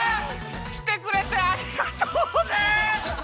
きてくれてありがとうね！